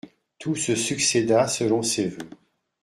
Tout se succéda selon ses voeux.